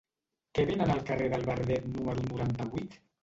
Què venen al carrer del Verdet número noranta-vuit?